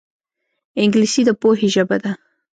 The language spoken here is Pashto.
انګلیسي د پوهې ژبه ده